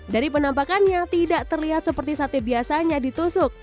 dari penampakannya tidak terlihat seperti sate biasanya ditusuk